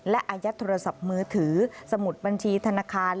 และอายัดโทรศัพท์มือถือสมุดบัญชีธนาคาร